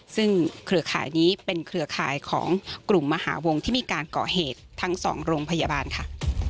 ซึ่งเครือข่ายนี้เป็นเครือข่ายของกลุ่มมหาวงที่มีการก่อเหตุทั้งสองโรงพยาบาลค่ะ